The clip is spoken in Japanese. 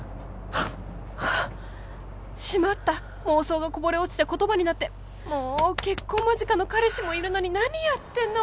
はっ！しまった妄想がこぼれ落ちて言葉になってもう結婚間近の彼氏もいるのに何やってんの！